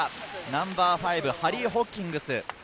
ナンバー５、ハリー・ホッキングス。